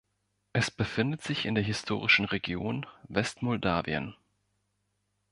Es befindet sich in der historischen Region Westmoldawien.